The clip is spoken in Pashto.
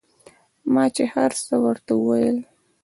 ما چې هرڅه ورته وويل.